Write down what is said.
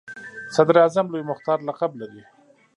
صدراعظم لوی مختار لقب لري.